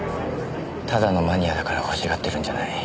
ただのマニアだから欲しがってるんじゃない。